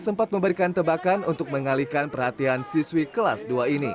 sempat memberikan tebakan untuk mengalihkan perhatian siswi kelas dua ini